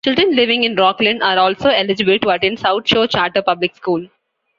Children living in Rockland are also eligible to attend South Shore Charter Public School.